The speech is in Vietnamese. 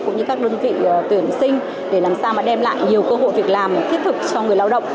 cũng như các đơn vị tuyển sinh để làm sao mà đem lại nhiều cơ hội việc làm thiết thực cho người lao động